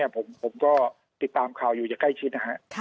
ผมก็ติดตามข่าวอยู่จะใกล้ชิด